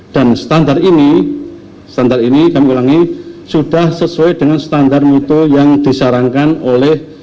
dan standar ini standar ini kami ulangi sudah sesuai dengan standar mutu yang disarankan oleh